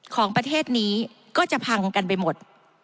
ของประเทศนี้ก็จะพังกันไปหมด